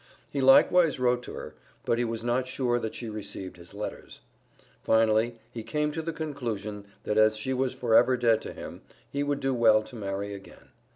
He likewise wrote to her, but he was not sure that she received his letters. Finally, he came to the conclusion that as she was forever dead to him, he would do well to marry again.